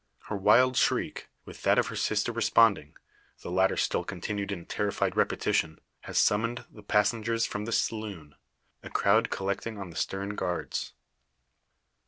Her wild shriek, with that of her sister responding the latter still continued in terrified repetition has summoned the passengers from the saloon, a crowd collecting on the stern guards.